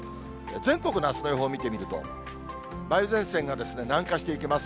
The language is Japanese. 全国のあすの予報を見てみると、梅雨前線が南下していきます。